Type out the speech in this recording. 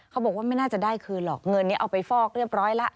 เขาบอกว่าไม่น่าจะได้คืนหรอกเงินนี้เอาไปฟอกเรียบร้อยแล้ว